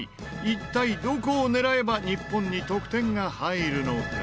一体どこを狙えば日本に得点が入るのか？